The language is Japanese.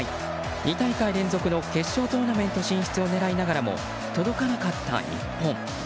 ２大会連続の決勝トーナメント進出を狙いながらも届かなかった日本。